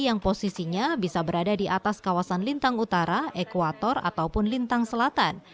yang posisinya bisa berada di atas kawasan lintang utara ekuator ataupun lintang selatan